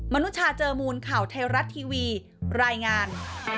นุชาเจอมูลข่าวไทยรัฐทีวีรายงาน